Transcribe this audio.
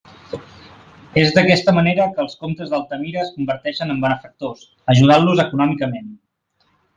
És d'aquesta manera que els Comtes d'Altamira es converteixen en benefactors, ajudant-los econòmicament.